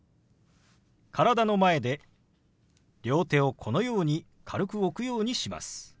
体の前で両手をこのように軽く置くようにします。